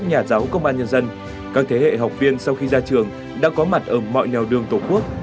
nhà giáo công an nhân dân các thế hệ học viên sau khi ra trường đã có mặt ở mọi nèo đường tổ quốc